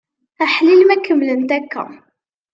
Aḥlil ma kemmlent akka!